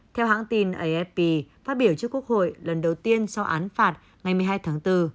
theo hãng tin afp phát biểu trước quốc hội lần đầu tiên sau án phạt ngày một mươi hai tháng bốn